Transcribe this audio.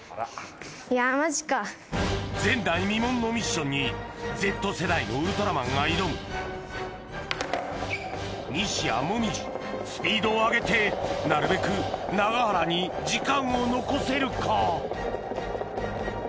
前代未聞のミッションにＺ世代のウルトラマンが挑む西矢椛スピードを上げてなるべく永原に時間を残せるか？